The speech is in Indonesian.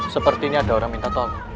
sepertinya ada orang minta tol